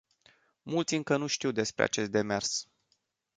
Mulți încă nu știu despre acest demers.